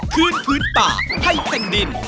คืนพื้นป่าให้แผ่นดิน